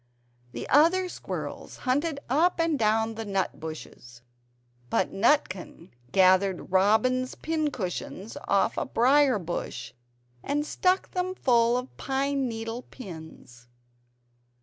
The other squirrels hunted up and down the nut bushes; but Nutkin gathered robin's pin cushions off a briar bush, and stuck them full of pine needle pins.